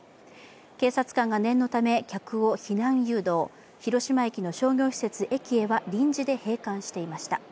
警察官が念のため、客を避難誘導、広島駅の商業施設、ｅｋｉｅは臨時で閉館していました。